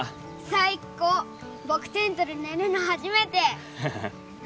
最高僕テントで寝るの初めてハハハ